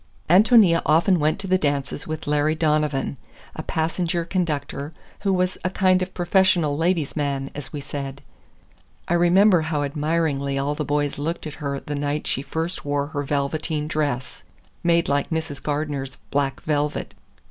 Ántonia often went to the dances with Larry Donovan, a passenger conductor who was a kind of professional ladies' man, as we said. I remember how admiringly all the boys looked at her the night she first wore her velveteen dress, made like Mrs. Gardener's black velvet.